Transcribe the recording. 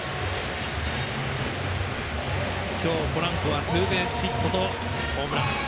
今日ポランコはツーベースヒットとホームラン。